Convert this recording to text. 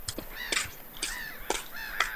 万德斯坦。